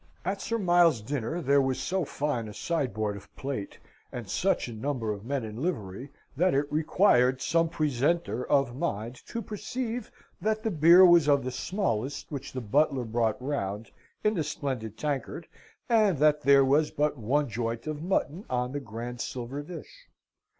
At Sir Miles's dinner there was so fine a sideboard of plate, and such a number of men in livery, that it required some presenter: of mind to perceive that the beer was of the smallest which the butler brought round in the splendid tankard, and that there was but one joint of mutton on the grand silver dish.